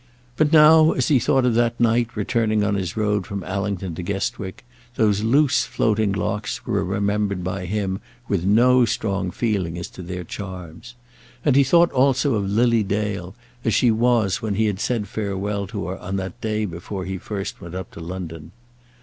But now, as he thought of that night, returning on his road from Allington to Guestwick, those loose, floating locks were remembered by him with no strong feeling as to their charms. And he thought also of Lily Dale, as she was when he had said farewell to her on that day before he first went up to London.